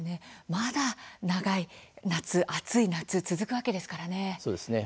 まだ長い夏、暑い夏続くわけですからね。